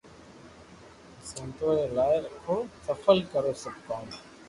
سنتو ري لاج رکو سفل ڪرو سب ڪوم